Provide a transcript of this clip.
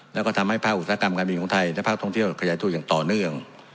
แล้วก็ทำให้ภาคอุตสาหกรรมการบินของไทยและภาคท่องเที่ยวขยายตัวอย่างต่อเนื่อง